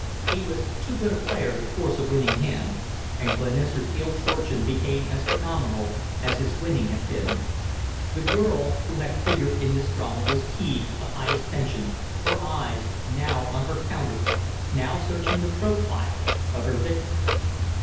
He was too good a player to force a winning hand, and Glenister's ill fortune became as phenomenal as his winning had been. The girl who figured in this drama was keyed to the highest tension, her eyes now on her counters, now searching the profile of her victim.